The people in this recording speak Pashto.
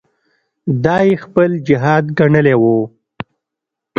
دا یې خپل جهاد ګڼلی وو.